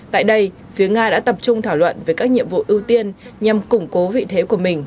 tại đây phía nga đã tập trung thảo luận về các nhiệm vụ ưu tiên nhằm củng cố vị thế của mình